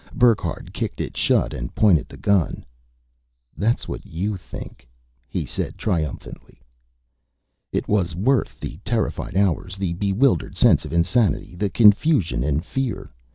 Burckhardt kicked it shut and pointed the gun. "That's what you think," he said triumphantly. It was worth the terrified hours, the bewildered sense of insanity, the confusion and fear.